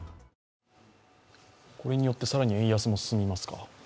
これによって更に円安も進みますか？